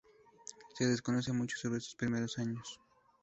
Se desconoce mucho sobre sus primeros años.